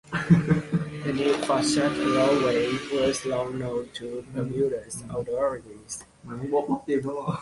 The need for such a roadway was long-known to Bermuda's authorities.